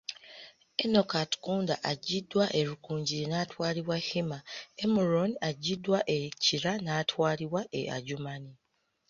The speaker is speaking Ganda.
Enock Atukunda aggyiddwa e Rukungiri natwalibwa Hima, Emuron aggyiddwa e Kira naatwalibwa e Adjumani.